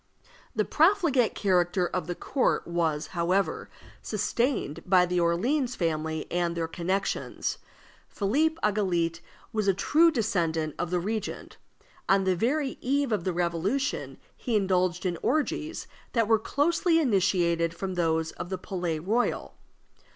The profligate character of the court was, however, sustained by the Orleans family and their connections. Philippe Egalité was a true descendant of the regent. On the very eve of the Revolution he indulged in orgies that were closely imitated from those of the Palais Royal.